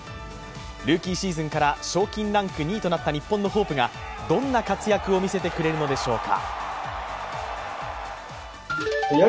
ルーキーシーズンから賞金ランク２位となった日本のホープがどんな活躍を見せてくれるのでしょうか。